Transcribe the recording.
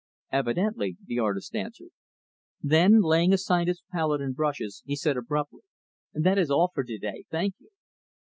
"Evidently," the artist answered. Then, laying aside his palette and brushes he said abruptly, "That is all for to day; thank you."